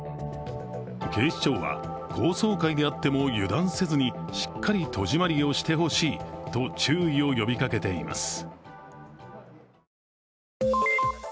警視庁は、高層階であっても油断せずに、しっかり戸締まりをしてほしいと注意を呼びかけています。